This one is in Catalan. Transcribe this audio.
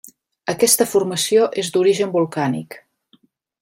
Aquesta formació és d'origen volcànic.